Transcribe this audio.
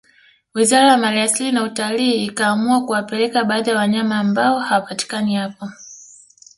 wizara ya mali asili na utalii ikaamua kuwapeleka baadhi ya wanyama ambao hawapatikani hapo